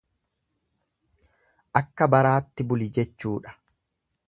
Akka baraatti buli jechuudha.